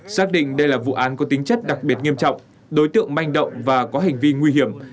xác định đây là vụ án có tính chất đặc biệt nghiêm trọng đối tượng manh động và có hành vi nguy hiểm